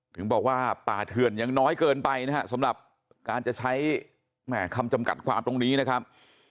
ถึงบอกว่าป่าเถื่อนยังน้อยเกินไปนะครับสำหรับการจะใช้คำจำกัดความตรงนี้นะครับ